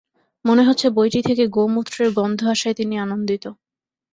মনে হচ্ছে বইটি থেকে গো-মূত্রের গন্ধ আসায় তিনি আনন্দিত।